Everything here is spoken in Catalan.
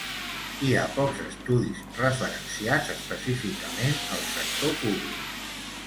Hi ha pocs estudis referenciats específicament al sector públic.